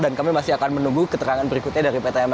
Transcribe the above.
dan kami masih akan menunggu keterangan berikutnya dari pt mrt jakarta